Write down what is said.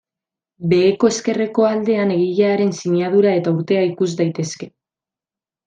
Beheko ezkerreko aldean egilearen sinadura eta urtea ikus daitezke.